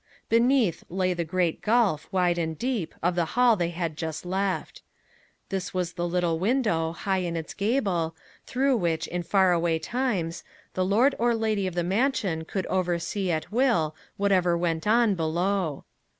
Beneath lay the great gulf, wide and deep, of the hall they had just left. This was the little window, high in its gable, through which, in far away times, the lord or lady of the mansion could oversee at will whatever went on below.